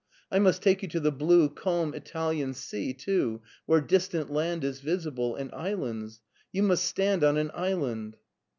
I must take you to the blue, calm Italian sea, too, where distant land is visible, and islands. You must stand on an island.''